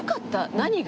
何が？